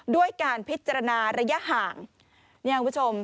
ด้วยการพิจารณาระยะห่างเนี่ยคุณผู้ชม